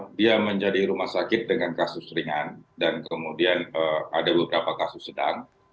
jadi kita bisa mengatakan ini adalah rumah sakit dengan kasus ringan dan kemudian ada beberapa kasus sedang